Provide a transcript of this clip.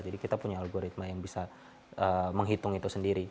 jadi kita punya algoritma yang bisa menghitung itu sendiri